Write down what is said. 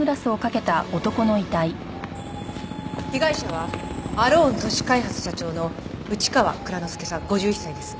被害者はアローン都市開発社長の内川蔵之介さん５１歳です。